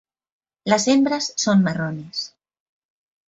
Las hembras son marrones.